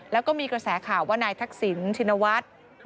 แล้วก็มีกระแสข่าวว่านายทักษิณชินวัฒน์